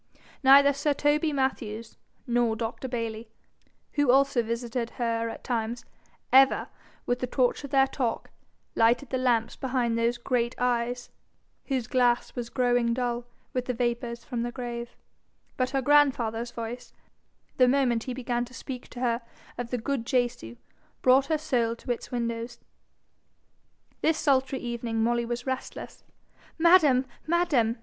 Neither sir Toby Mathews, nor Dr. Bayly, who also visited her at times, ever, with the torch of their talk, lighted the lamps behind those great eyes, whose glass was growing dull with the vapours from the grave; but her grandfather's voice, the moment he began to speak to her of the good Jesu, brought her soul to its windows. This sultry evening Molly was restless. 'Madam! madam!'